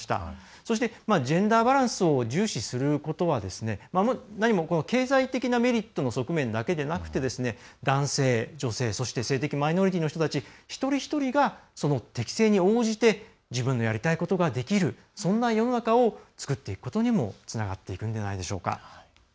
そしてジェンダーバランスを重視することはなにも、経済的なメリットの側面だけではなくて男性、女性、そして性的マイノリティーの人たち一人一人が適性に応じて自分のやりたいことができるそんな世の中を作っていくことにもつながっていくんではないでしょうか。